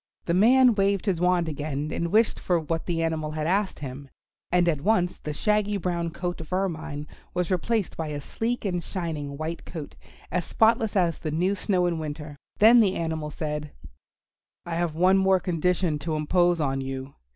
The man waved his wand again and wished for what the animal had asked him, and at once the shaggy brown coat of Ermine was replaced by a sleek and shining white coat as spotless as the new snow in winter. Then the animal said, "I have one more condition to impose on you.